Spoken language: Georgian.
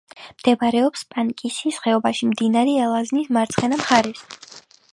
მდებარეობს პანკისის ხეობაში, მდინარე ალაზნის მარცხენა მხარეს.